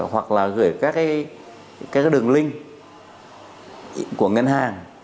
hoặc là gửi các đường link của ngân hàng